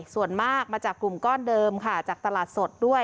ส่วนมากมาจากกลุ่มก้อนเดิมค่ะจากตลาดสดด้วย